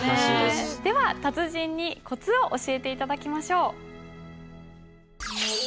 では達人にコツを教えて頂きましょう。